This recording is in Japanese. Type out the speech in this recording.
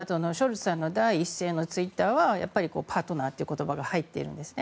なので、これが対中戦略が出たあとのショルツさんの第一声のツイッターはやっぱりパートナーという言葉が入っているんですね。